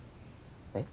えっ？